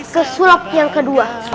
ke sulap yang kedua